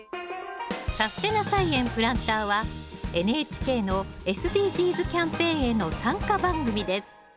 「さすてな菜園プランター」はＮＨＫのＳＤＧｓキャンペーンへの参加番組です。